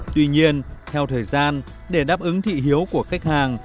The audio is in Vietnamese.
tuy nhiên theo thời gian để đáp ứng thị hiếu của khách hàng